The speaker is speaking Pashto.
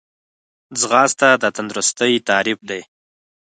ځغاسته د تندرستۍ تعریف دی